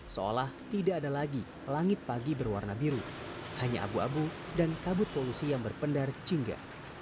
seolah tidak ada lagi langit pagi berwarna biru hanya abu abu dan kabut polusi yang berpendar jingga